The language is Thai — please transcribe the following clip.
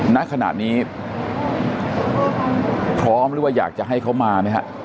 ณขนาดนี้พร้อมหรืออยากจะให้เขามาไหม